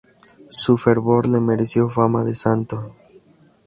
Su fervor le mereció fama de santo.